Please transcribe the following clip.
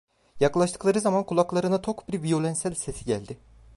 Yaklaştıkları zaman, kulaklarına tok bir viyolonsel sesi geldi.